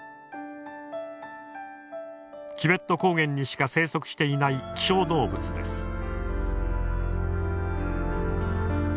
チベット高原にしか生息していない希少動物です。